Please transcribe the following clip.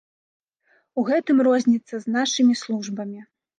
У гэтым розніца з нашымі службамі.